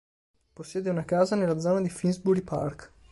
Possiede una casa nella zona di Finsbury Park.